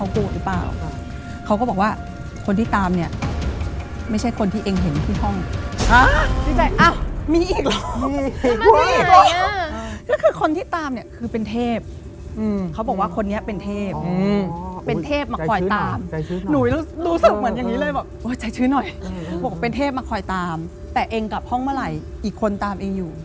บอกว่าเป็นเทพมาคอยตามแต่เองกลับห้องเมื่อไหร่อีกคนตามเองอยู่